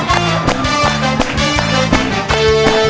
เต้นสักพักนึงก่อน